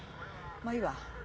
まあいいわ。